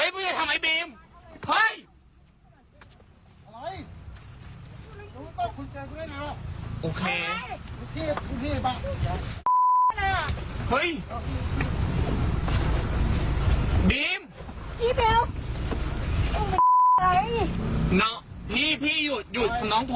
เบลหัวหนู